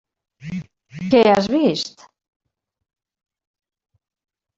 Què has vist?